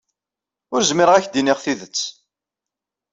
Ur zmireɣ ad ak-d-iniɣ tidet.